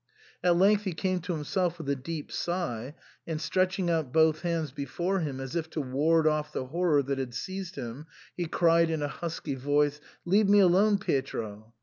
At length he came to himself with a deep sigh, and, stretching out both hands before him as if to ward oflE the horror that had seized him, he cried in a husky voice, "Leave me alone, Pietro."